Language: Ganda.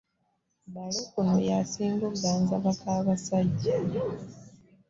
Balo kuno y'asinga okuganza bakaabasajja.